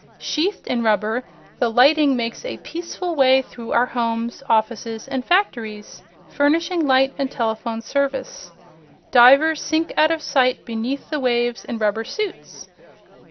Sheathed in rubber, the lightning makes a peaceful way through our homes, offices and factories, furnishing light and telephone service. Divers sink out of sight beneath the waves in rubber suits.